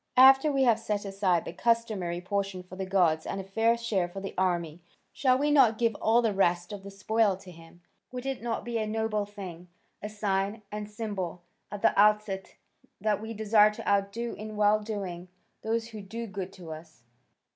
After we have set aside the customary portion for the gods and a fair share for the army, shall we not give all the rest of the spoil to him? Would it not be a noble thing, a sign and symbol at the outset that we desire to outdo in well doing those who do good to us?"